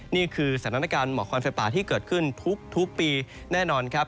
นี่คือสถานการณ์หมอกควันไฟป่าที่เกิดขึ้นทุกปีแน่นอนครับ